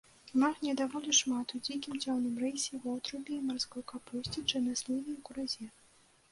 Магнію даволі шмат у дзікім цёмным рысе, вотруб'і, марской капусце, чарнасліве і куразе.